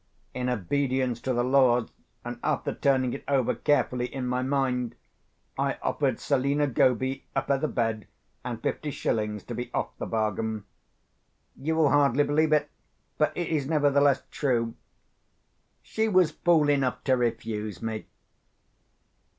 In obedience to the laws, and after turning it over carefully in my mind, I offered Selina Goby a feather bed and fifty shillings to be off the bargain. You will hardly believe it, but it is nevertheless true—she was fool enough to refuse.